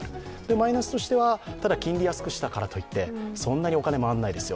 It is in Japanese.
マイナスとしては、ただ金利を安くしたからといって、そんなにお金は回らないですよ。